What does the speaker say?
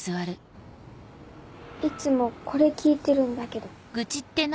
いつもこれ聴いてるんだけど。